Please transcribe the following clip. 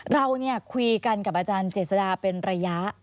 เราคุยกันกับอาจารย์เจษดาเป็นระยะ